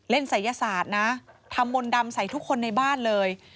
ศัยศาสตร์นะทำมนต์ดำใส่ทุกคนในบ้านเลย